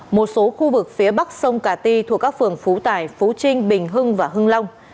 một số khu vực phía bắc sông cà ti thuộc các phường phú tải phú trinh bình hưng và hưng long